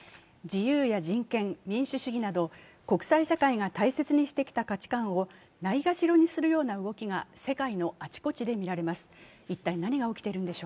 自由や人権、民主主義など国際社会が大切にしてきた価値観をないがしろにするような動きが世界のあちこちで見られます。